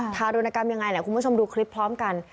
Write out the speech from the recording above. ทารุณกรรมยังไงแหละคุณผู้ชมดูคลิปพร้อมกัน